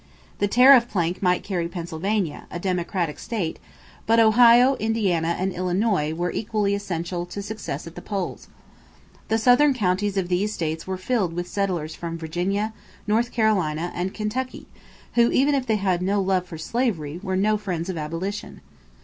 The tariff plank might carry Pennsylvania, a Democratic state; but Ohio, Indiana, and Illinois were equally essential to success at the polls. The southern counties of these states were filled with settlers from Virginia, North Carolina, and Kentucky who, even if they had no love for slavery, were no friends of abolition.